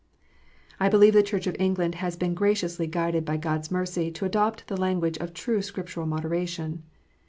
* I believe the Church of England has been graciously guided by God s mercy to adopt the language of true Scriptural moderation.